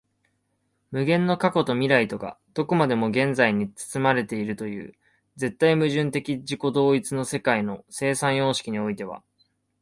無限の過去と未来とがどこまでも現在に包まれるという絶対矛盾的自己同一の世界の生産様式においては、